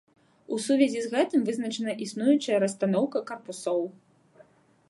У сувязі з гэтым вызначана існуючая расстаноўка карпусоў.